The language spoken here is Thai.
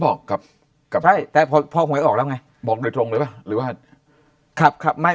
บอกครับแต่พอหวยออกแล้วไงบอกโดยตรงเลยหรือว่าครับครับไม่